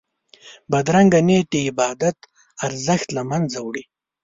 بدرنګه نیت د عبادت ارزښت له منځه وړي